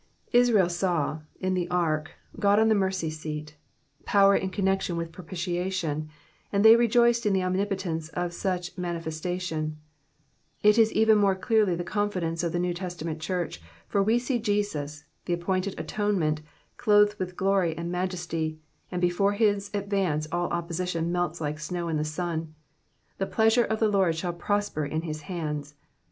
Israel saw, in the ark, God on the mercy seat — power in connection with propitiation — and they rejoiced in the omnipotence of such a mnnifestation ; this is even more clearly the confidence of the New Testament church, for we see Jesus, tlie appointed atonement, clothed with glory and majesty, and before his advance all opposition melts like snow in the sun ; the pleasure of the Lord shall prosper in his hands.